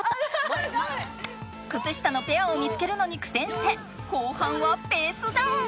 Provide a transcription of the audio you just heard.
くつ下のペアを見つけるのに苦戦して後半はペースダウン。